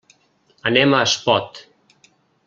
Anem a Espot.